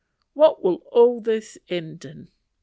What will all this end in?